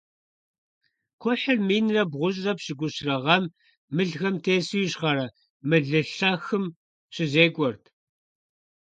Кхъухьыр минрэ бгъущӏрэ пщыкӏущрэ гъэм мылхэм тесу Ищхъэрэ Мылылъэхым щызекӀуэрт.